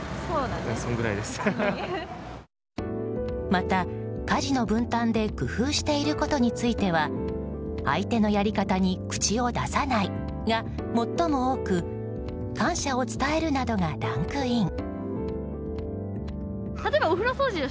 また、家事の分担で工夫していることについては相手のやり方に口を出さないが最も多く感謝を伝えるなどがランクイン。